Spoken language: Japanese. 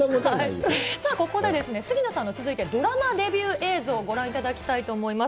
さあ、ここで杉野さんの、続いて、ドラマデビュー映像、ご覧いただきたいと思います。